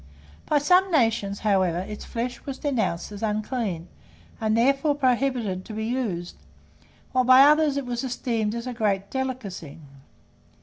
By some nations, however, its flesh was denounced as unclean, and therefore prohibited to be used, whilst by others it was esteemed as a great delicacy.